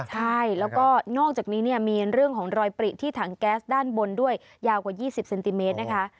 ใช่แล้วก็นอกจากนี้เนี่ยมีเรื่องของรอยปริที่ถังแก๊สด้านบนด้วยยาวกว่า๒๐เซนติเมตรนะคะ